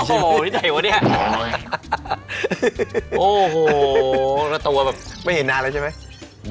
โอ้โหที่ไหนวะเนี่ยโอ้โหแล้วตัวแบบไม่เห็นนานแล้วใช่ไหม